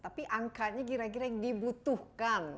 tapi angkanya kira kira yang dibutuhkan